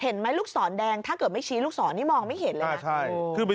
เห็นไหมลูกศรแดงถ้าเกิดไม่ชี้ลูกศรนี่มองไม่เห็นเลยนะ